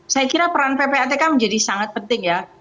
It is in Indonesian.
saya kira peran ppatk menjadi sangat penting ya